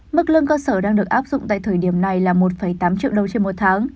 mức lương cơ sở đang được áp dụng tại thời điểm này là một tám triệu đồng trên một tháng